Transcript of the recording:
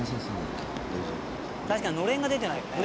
確かにのれんが出てないよね。